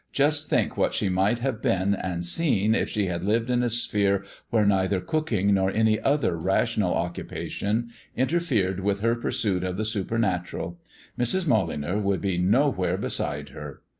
Just think what she might have been and seen if she had lived in a sphere where neither cooking nor any other rational occupation interfered with her pursuit of the supernatural. Mrs. Molyneux would be nowhere beside her."